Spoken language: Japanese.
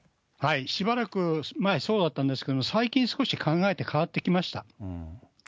しばらく、前そうだったんですけれども、最近、少し考えが変わってきました。